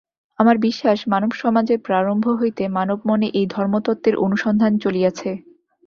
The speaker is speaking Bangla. আমার বিশ্বাস, মানবসমাজের প্রারম্ভ হইতেই মানব-মনে এই ধর্মতত্ত্বের অনুসন্ধান চলিয়াছে।